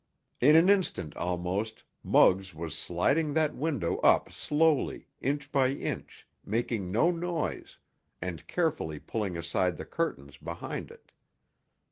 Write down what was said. In an instant almost Muggs was sliding that window up slowly, inch by inch, making no noise, and carefully pulling aside the curtains behind it.